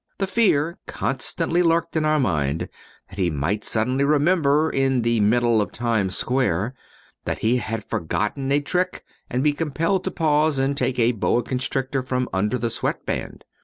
The fear constantly lurked in our mind that he might suddenly remember, in the middle of Times Square, that he had forgotten a trick and be compelled to pause and take a boa constrictor from under the sweat band.